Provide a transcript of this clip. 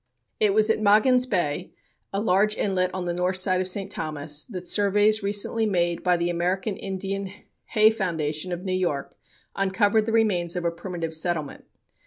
It was at Magen's Bay, a large inlet on the north side of St. Thomas, that surveys recently made by the American Indian Heye Foundation of New York uncovered the remains of a primitive settlement.